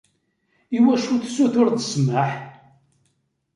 « Iwacu tessutureḍ ssmaḥ? »